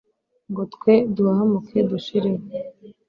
ngo twe duhahamuke dushireho